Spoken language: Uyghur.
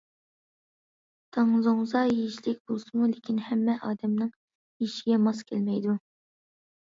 تاڭزۇڭزا يېيىشلىك بولسىمۇ، لېكىن ھەممە ئادەمنىڭ يېيىشىگە ماس كەلمەيدۇ.